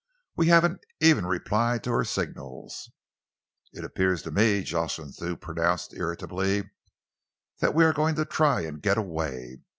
"We haven't even replied to her signals." "It appears to me," Jocelyn Thew pronounced irritably, "that we are going to try and get away.